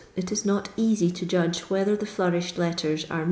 tt U not easy to iudga whether tha flouriihed letters are * Mn.'